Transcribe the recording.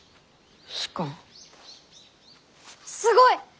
すごい！